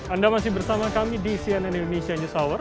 anda masih bersama kami di cnn indonesia news hour